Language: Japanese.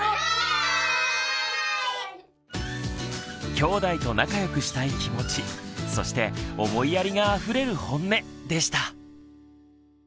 きょうだいと仲良くしたい気持ちそして思いやりがあふれるホンネでした。